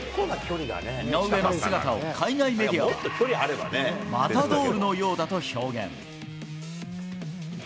井上の姿を海外メディアは、マタドールのようだと表現。